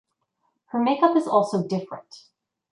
Her makeup is also different.